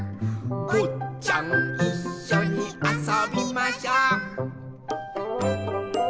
「ぼっちゃんいっしょにあそびましょう」